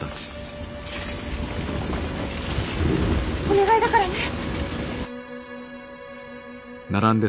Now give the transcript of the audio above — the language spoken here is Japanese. お願いだからね！